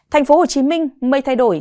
thành phố hồ chí minh mây thay đổi